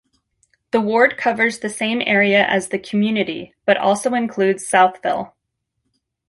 The ward covers the same area as the community, but also includes Southville.